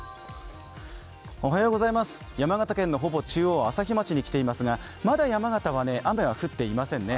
山形県のほぼ中央、朝日町に来ていますがまだ山形は雨は降っていませんね。